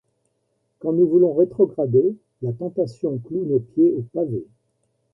Quand nous voulons rétrograder, la tentation cloue nos pieds au pavé.